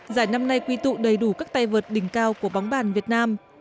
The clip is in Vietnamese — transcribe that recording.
giải năm nay quy tụ đầy đủ các tay vượt đỉnh cao của bóng bàn việt nam